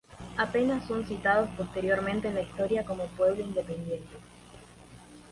Apenas son citados posteriormente en la Historia como pueblo independiente.